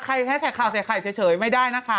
แฮชแท็กข่าวใส่ไข่เฉยไม่ได้นะคะ